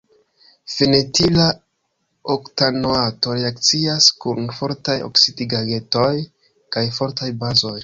Fenetila oktanoato reakcias kun fortaj oksidigagentoj kaj fortaj bazoj.